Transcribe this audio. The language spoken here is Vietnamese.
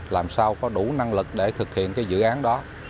làm sao có đủ năng lực để thực hiện cái dự án đó